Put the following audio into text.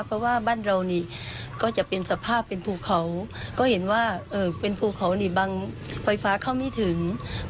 เพราะว่าบ้านเรานี่ก็จะเป็นสภาพเป็นภูเขาก็เห็นว่าเป็นภูเขานี่บางไฟฟ้าเข้าไม่ถึง